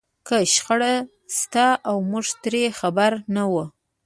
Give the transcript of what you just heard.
که شخړه شته او موږ ترې خبر نه وو.